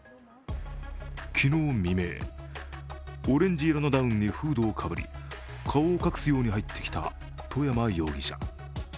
昨日未明、オレンジ色のダウンにフードをかぶり、顔を隠すように入ってきた外山容疑者。